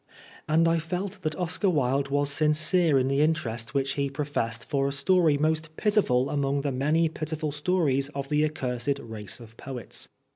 And I felt that Oscar Wilde was sincere in the interest which he professed for a story most pitiful among the many pitiful stories of the accursed race of poets.